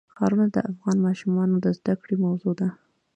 ښارونه د افغان ماشومانو د زده کړې موضوع ده.